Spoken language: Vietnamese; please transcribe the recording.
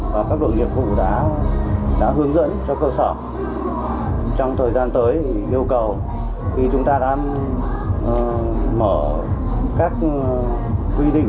và các đội nghiệp vụ đã hướng dẫn cho cơ sở trong thời gian tới yêu cầu khi chúng ta đã mở các quy định